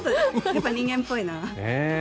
やっぱり人間っぽいな。